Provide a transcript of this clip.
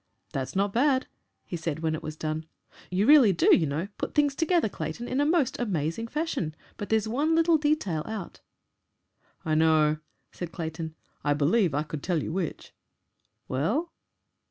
"That's not bad," he said, when it was done. "You really do, you know, put things together, Clayton, in a most amazing fashion. But there's one little detail out." "I know," said Clayton. "I believe I could tell you which." "Well?"